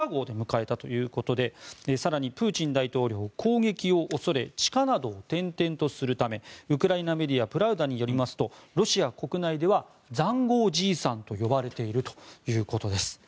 モスクワからかなり離れているウラル山脈その地下壕で迎えたということで更にプーチン大統領は攻撃を恐れ地下などを転々とするためウクライナメディアのプラウダによりますとロシア国内では塹壕じいさんと呼ばれているということです。